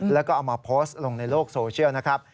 แล้วก็เอามาโพสต์ลงในโลกโซเชียลนะครับ